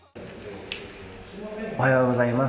おはようございます。